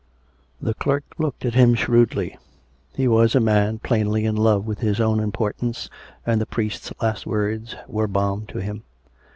The clerk looked at him shrewdly; he was a man plainly in love with his own importance, and the priest's last words were balm to him.